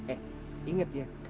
eh inget ya